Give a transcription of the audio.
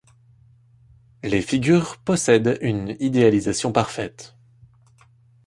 Les figures possèdent une idéalisation parfaite.